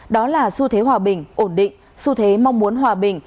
đó là xu thế hòa bình ổn định xu thế mong muốn hòa bình